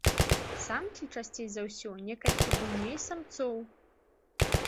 Самкі часцей за ўсё некалькі буйней самцоў.